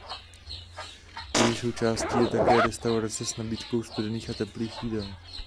Její součástí je také restaurace s nabídkou studených a teplých jídel.